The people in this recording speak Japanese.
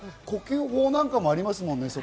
呼吸法なんかもありますもんね。